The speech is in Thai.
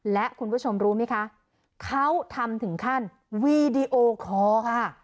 และคุณผู้ชมรู้ไหมคะเขาทำถึงขั้นค่ะ